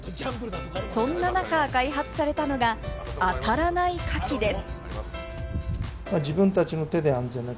そんな中、開発されたのが、あたらないカキです。